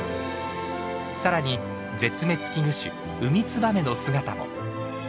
さらに絶滅危惧種ウミツバメの姿も。